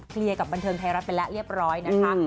กับบันเทิงไทยรัฐไปแล้วเรียบร้อยนะคะ